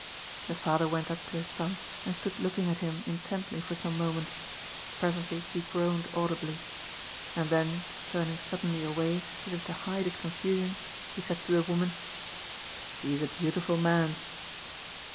The father went up to his son and stood looking at him intently for some moments. Presently he groaned audibly. And then, turning suddenly away, as if to hide his confu sion, he said to the woman :'' He is a beautiful man."